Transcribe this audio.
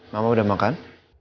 mama udah makan